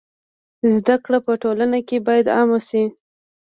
زده کړه په ټولنه کي بايد عامه سي.